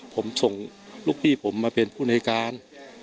ผมส่งลูกพี่ผมมาเป็นผู้ในการ